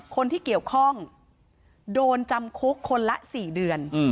คนที่เกี่ยวข้องโดนจำคุกคนละ๔เดือน